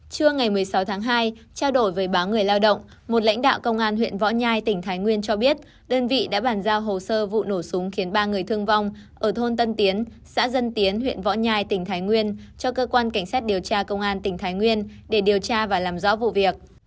trưa ngày một mươi sáu tháng hai trao đổi với báo người lao động một lãnh đạo công an huyện võ nhai tỉnh thái nguyên cho biết đơn vị đã bàn giao hồ sơ vụ nổ súng khiến ba người thương vong ở thôn tân tiến xã dân tiến huyện võ nhai tỉnh thái nguyên cho cơ quan cảnh sát điều tra công an tỉnh thái nguyên để điều tra và làm rõ vụ việc